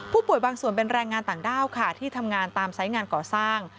บางส่วนเป็นแรงงานต่างด้าวค่ะที่ทำงานตามไซส์งานก่อสร้าง